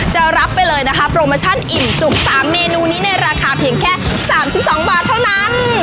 จะรับไปเลยนะคะโปรโมชั่นอิ่มจุก๓เมนูนี้ในราคาเพียงแค่๓๒บาทเท่านั้น